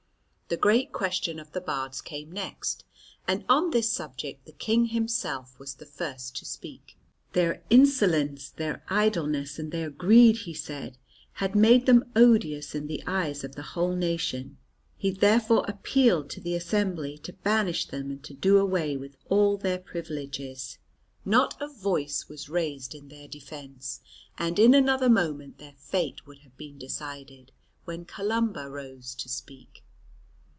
The great question of the Bards came next, and on this subject the King himself was the first to speak. Their insolence, their idleness, and their greed, he said, had made them odious in the eyes of the whole nation. He therefore appealed to the assembly to banish them and to do away with all their privileges. Not a voice was raised in their defence, and in another moment their fate would have been decided, when Columba rose to speak.